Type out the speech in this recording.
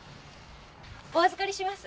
お預かりします。